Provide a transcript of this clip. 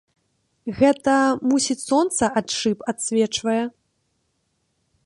Гэта, мусіць, сонца ад шыб адсвечвае.